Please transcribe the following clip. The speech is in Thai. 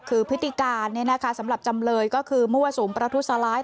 คือพฤติการสำหรับจำเลยก็คือมั่วสุมประทุษร้าย